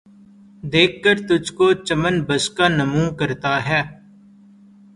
دیکھ کر تجھ کو ، چمن بسکہ نُمو کرتا ہے